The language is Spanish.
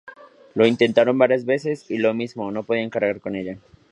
Lo intentaron varias veces más, y lo mismo: no podían cargar con ella.